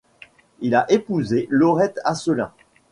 Il a épousé Laurette Asselin.